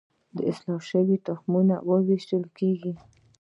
د اصلاح شویو تخمونو ویشل کیږي